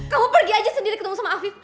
kamu pergi aja sendiri ketemu sama afif